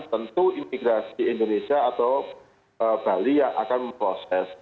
tentu imigrasi indonesia atau bali yang akan memproses